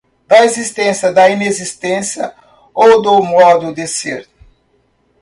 da existência, da inexistência ou do modo de ser